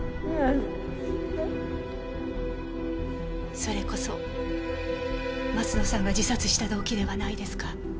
それこそ鱒乃さんが自殺した動機ではないですか？